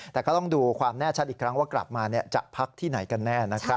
แต่ก็ต้องดูความแน่ชัดอีกครั้งว่ากลับมาจะพักที่ไหนกันแน่นะครับ